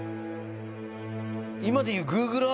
今でいう。